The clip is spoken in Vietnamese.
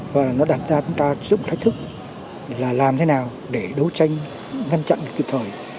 và nó đặt ra chúng ta trước một thách thức là làm thế nào để đấu tranh ngăn chặn kịp thời